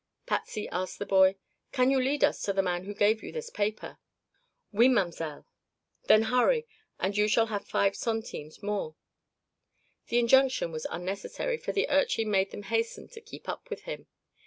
Patsy asked the boy: "Can you lead us to the man who gave you this paper?" "Oui, mamselle." "Then hurry, and you shall have five centimes more." The injunction was unnecessary, for the urchin made them hasten to keep up with him.